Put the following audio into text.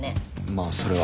まあそれは。